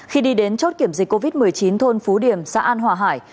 khi đi đến chốt kiểm dịch covid một mươi chín thôn phú điểm xã an hòa hải